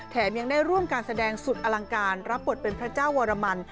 ยังได้ร่วมการแสดงสุดอลังการรับบทเป็นพระเจ้าวรมัน